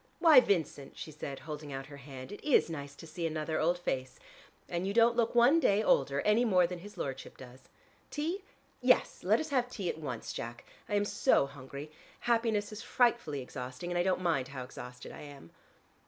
"Why, Vincent," she said, holding out her hand, "It is nice to see another old face. And you don't look one day older, any more than his lordship does. Tea? Yes, let us have tea at once, Jack. I am so hungry: happiness is frightfully exhausting, and I don't mind how exhausted I am."